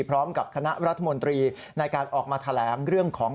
พร้อมกับคณะรัฐมนตรีในการออกมาแถลงเรื่องของ